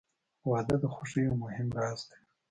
• واده د خوښۍ یو مهم راز دی.